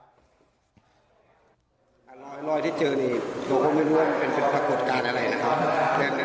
รอยที่เจอตัวเขาไม่รู้ว่ามันเป็นภาคกฎการณ์อะไรนะครับ